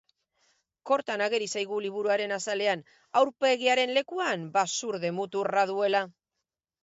Kortan ageri zaigu liburuko azalean, aurpegiaren lekuan basurde muturra duela.